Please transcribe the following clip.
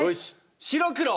白黒。